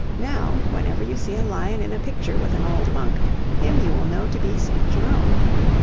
Now, whenever you see a lion in a picture with an old monk, him you will know to be St. Jerome.